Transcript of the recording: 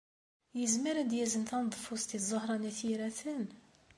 Yezmer ad yazen taneḍfust i Ẓuhṛa n At Yiraten?